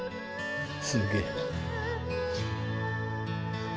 「すげえ」